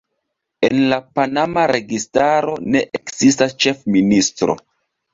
En la panama registaro ne ekzistas ĉefministro.